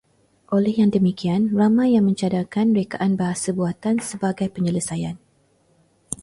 Oleh yang demikian, ramai yang mencadangkan rekaan bahasa buatan sebagai penyelesaian